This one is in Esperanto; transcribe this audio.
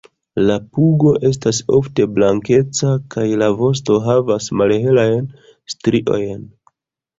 La pugo estas ofte blankeca kaj la vosto havas malhelajn striojn.